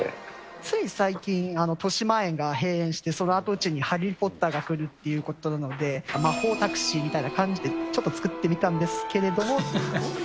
つい最近、としまえんが閉園して、その跡地にハリー・ポッターが来るということなので、魔法タクシーみたいな感じでちょっと作ってみたんですけれども。